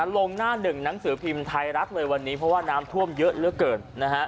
ลงหน้าหนึ่งหนังสือพิมพ์ไทยรัฐเลยวันนี้เพราะว่าน้ำท่วมเยอะเหลือเกิน